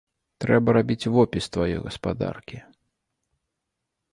Трэба рабіць вопіс тваёй гаспадаркі.